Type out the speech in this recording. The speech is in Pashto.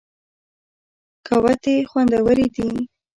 ګاوتې خوندورې دي.